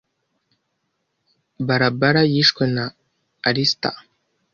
Barbara yishwe na Alister.